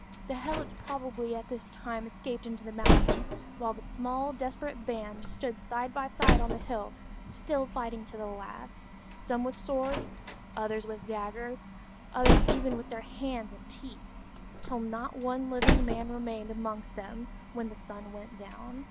The helots probably at this time escaped into the mountains; while the small desperate band stood side by side on the hill still fighting to the last, some with swords, others with daggers, others even with their hands and teeth, till not one living man remained amongst them when the sun went down.